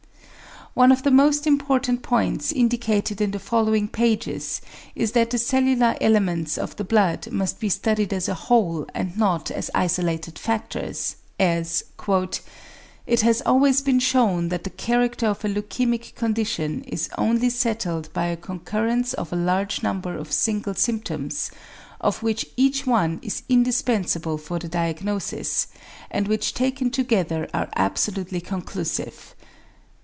One of the most important points indicated in the following pages is that the cellular elements of the blood must be studied as a whole and not as isolated factors, as "it has always been shown that the character of a leukæmic condition is only settled by a concurrence of a large number of single symptoms of which each one is indispensable for the diagnosis, and which taken together are absolutely conclusive."